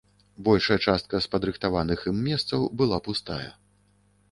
Большая частка з падрыхтаваных ім месцаў была пустая.